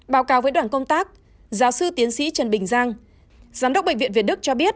báo cáo với đoàn công tác giáo sư tiến sĩ trần bình giang giám đốc bệnh viện việt đức cho biết